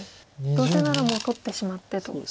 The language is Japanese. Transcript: どうせならもう取ってしまってと。